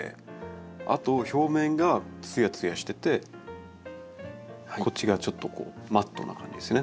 あと表面がツヤツヤしててこっちがちょっとこうマットな感じですよね。